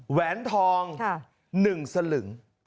แหวนทอง๑สลึง